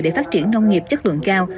để phát triển nông nghiệp chất lượng cao